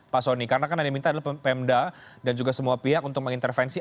pak soni karena kan yang diminta adalah pemda dan juga semua pihak untuk mengintervensi